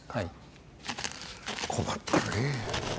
困ったねえ。